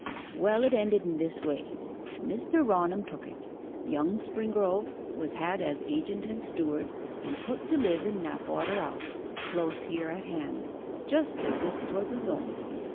Well, it ended in this way. Mr. Raunham took it: young Springrove was had as agent and steward, and put to live in Knapwater House, close here at hand just as if 'twas his own.